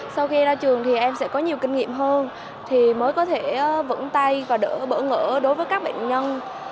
sau khi ra trường thì em sẽ có nhiều kinh nghiệm hơn thì mới có thể vững tay và đỡ bỡ ngỡ đối với các bệnh nhân